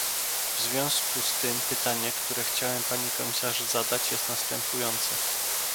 W związku z tym pytanie, które chciałem pani komisarz zadać jest następujące